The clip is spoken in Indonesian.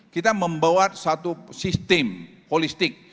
kita membuat satu sistem holistik